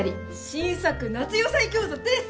新作夏野菜餃子です！